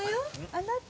あなた。